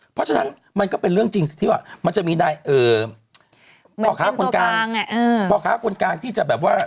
เพราะฉะนั้นมันก็เป็นเรื่องจริงที่ว่ามันจะมีพ่อค้าคนกลางพ่อค้าคนกลางที่จะแบบว่า